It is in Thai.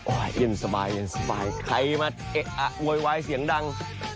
โอ้ยเย็นสบายใครมาโหยวายเสียงดัง